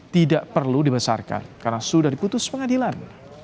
tidak perlu dibesarkan karena sudah diputus pengadilan